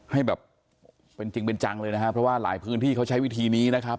ให้แบบเป็นจริงเป็นจังเลยนะครับเพราะว่าหลายพื้นที่เขาใช้วิธีนี้นะครับ